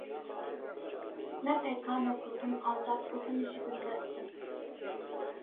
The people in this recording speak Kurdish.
Ne pêkan e ku him azad û him jî bindest bin